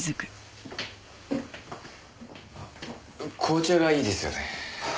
紅茶がいいですよね？